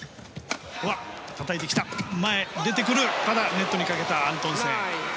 ネットにかけたアントンセン。